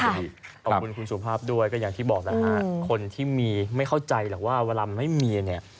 ขอบคุณคุณสุภาพด้วยก็อย่างที่บอกแล้วฮะคนที่มีไม่เข้าใจหรอกว่าเวลาไม่มีเนี่ย